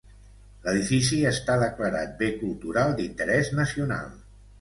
L'edifici està declarat bé cultural d'interès nacional.